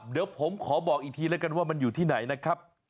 เดี๋ยวผมขอบอกอีกทีแล้วกันว่ามันอยู่ที่ไหนนะครับ